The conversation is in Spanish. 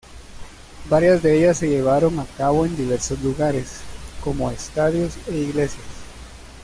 Varias de ellas se llevaron a cabo en diversos lugares, como estadios e iglesias.